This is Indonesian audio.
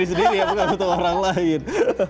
oh untuk diri sendiri ya bukan untuk orang lain